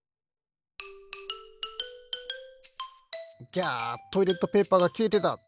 ギャトイレットペーパーがきれてた！